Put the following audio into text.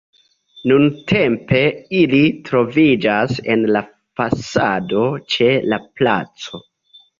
Nuntempe ili troviĝas en la fasado ĉe la placo.